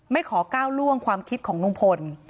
ขอก้าวล่วงความคิดของลุงพล